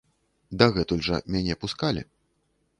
Дагэтуль жа мяне пускалі.